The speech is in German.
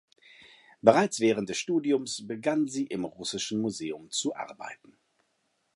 Bereits während des Studiums begann sie im Russischen Museum zu arbeiten.